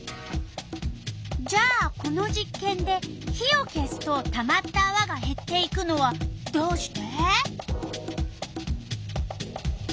じゃあこの実験で火を消すとたまったあわがへっていくのはどうして？